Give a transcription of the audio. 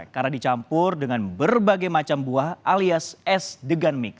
karena dicampur dengan berbagai macam buah alias es degan mix